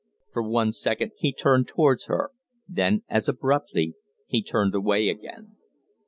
For one second he turned towards her, then as abruptly he turned away again.